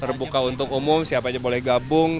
terbuka untuk umum siapa aja boleh gabung